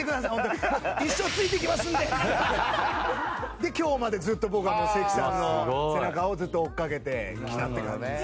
で今日までずっと僕はもう関さんの背中をずっと追いかけてきたって感じですね。